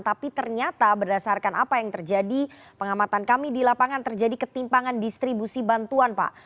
tapi ternyata berdasarkan apa yang terjadi pengamatan kami di lapangan terjadi ketimpangan distribusi bantuan pak